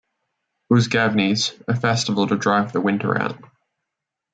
Uzgavenes - a festival to drive the winter out.